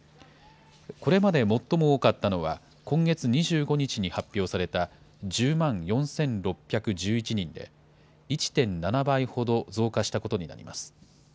これまで最も多かったのは、今月２５日に発表された、１０万４６１１人で、１．７倍ほど増加したことになります。